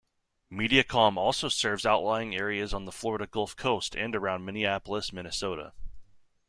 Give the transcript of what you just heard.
Mediacom also serves outlying areas on the Florida Gulf Coast and around Minneapolis, Minnesota.